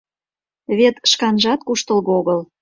Вет шканжат куштылго огыл.